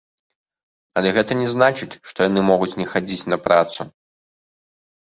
Але гэта не значыць, што яны могуць не хадзіць на працу.